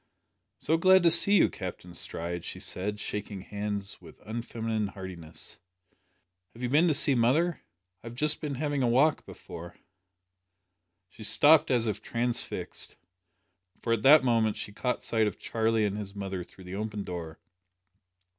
"So glad to see you, Captain Stride," she said, shaking hands with unfeminine heartiness. "Have you been to see mother? I have just been having a walk before " She stopped as if transfixed, for at that moment she caught sight of Charlie and his mother through the open door.